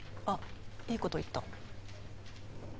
あっいいこと言った。